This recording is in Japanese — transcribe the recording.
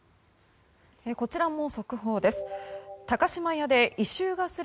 こちらも速報です。